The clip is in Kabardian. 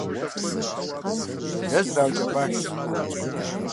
Блэ зэраукӀа башщ.